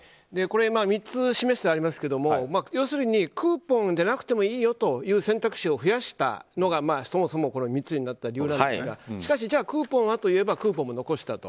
３つ示してありますけど要するに、クーポンじゃなくてもいいよという選択肢を増やしたのがそもそも３つになった理由なんですがしかし、クーポンはといえばクーポンも残したと。